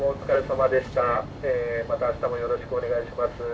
また明日もよろしくお願いします。